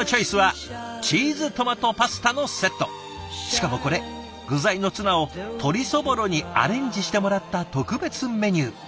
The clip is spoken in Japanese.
しかもこれ具材のツナを鶏そぼろにアレンジしてもらった特別メニュー。